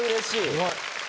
すごい。